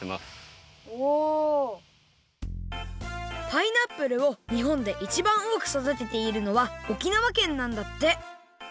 パイナップルをにほんでいちばんおおくそだてているのは沖縄県なんだって。